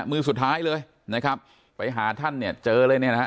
มือสุดท้ายเลยนะครับไปหาท่านเนี่ยเจอเลยเนี่ยนะฮะ